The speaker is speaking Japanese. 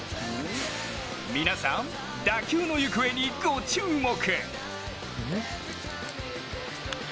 皆さん、打球の行方に、ご注目。